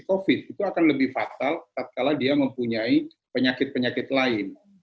covid itu akan lebih fatal tak kalah dia mempunyai penyakit penyakit lain